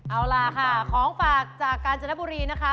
เอาล่ะค่ะของฝากจากกาญจนบุรีนะคะ